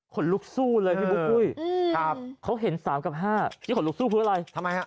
คนลุกสู่เลยพี่บุ๊กพุ้ยก็เห็นสามกับห้าผิดขนลุกสู่เพราะอะไรทำไมฮะ